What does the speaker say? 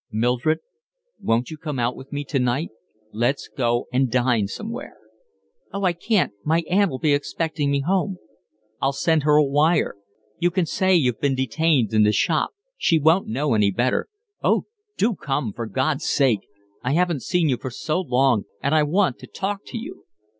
"Mildred, won't you come out with me tonight? Let's go and dine somewhere." "Oh, I can't. My aunt'll be expecting me home." "I'll send her a wire. You can say you've been detained in the shop; she won't know any better. Oh, do come, for God's sake. I haven't seen you for so long, and I want to talk to you."